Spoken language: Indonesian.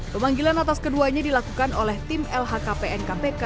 pemanggilan atas keduanya dilakukan oleh tim lhkpn kpk